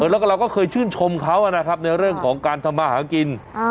แล้วก็เราก็เคยชื่นชมเขานะครับในเรื่องของการทำมาหากิน